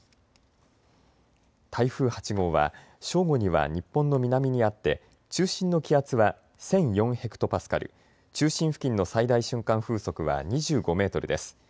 台風８号は正午には日本の南にあって、中心の気圧は１００４ｈＰａ、中心付近の最大瞬間風速は２５メートルです。